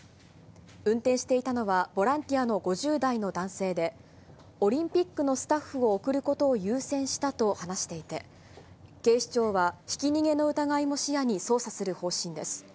運転していたのはボランティアの５０代の男性で、オリンピックのスタッフを送ることを優先したと話していて、警視庁は、ひき逃げの疑いも視野に捜査する方針です。